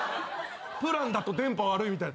プランだと電波悪いみたいな。